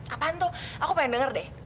apaan tuh aku pengen denger deh